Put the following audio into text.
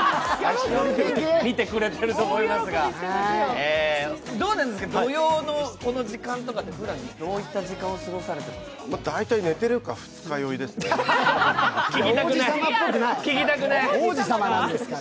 見てくれてると思いますが、どうなんですか、土曜のこの時間とかはどういった時間を過ごされているんですか？